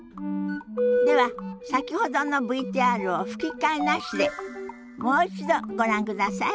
では先ほどのＶＴＲを吹き替えなしでもう一度ご覧ください。